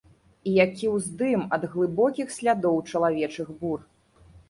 І які ўздым ад глыбокіх слядоў чалавечых бур!